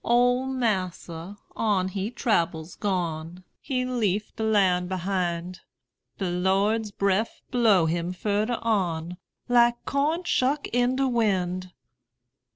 Ole massa on he trabbels gone; He leaf de land behind: De Lord's breff blow him furder on, Like corn shuck in de wind.